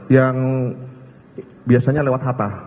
yang biasanya lewat hatta